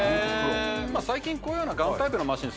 最近こういうようなガンタイプのマシン